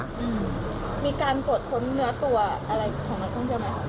การกดค้นเนื้อตัวอะไรของนักท่องเชียวมั้ย